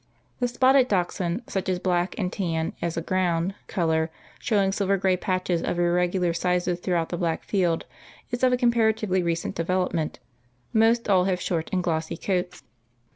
The spotted Dachshund, such as black and tan as a ground color showing silver gray patches of irregular sizes throughout the black field is of comparatively recent development. Most all have short and glossy coats.